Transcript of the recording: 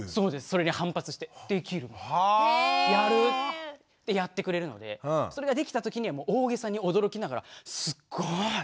それに反発して「できるもんやる！」ってやってくれるのでそれができたときにはもう大げさに驚きながら「すっごい！